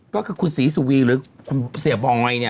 ก็คือคุณศรีสุวีหรือคุณเสียบอยเนี่ย